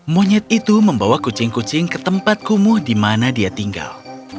monyet itu membawa kucing kucing ke tempat kumuh di mana dia tinggal